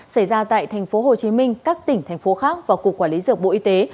xảy ra tại tp hcm các tỉnh thành phố khác và cục quản lý dược bộ y tế